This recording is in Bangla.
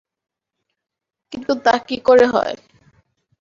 কিন্তু তা কী করে হয়!